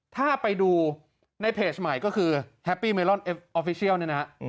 ถ้าไปดูในเพจใหม่ก็คือแฮปปี้เมลอนออฟฟิเชียลเนี่ยนะฮะ